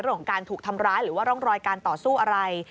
ของการถูกทำร้ายหรือว่าร่องรอยการต่อสู้อะไร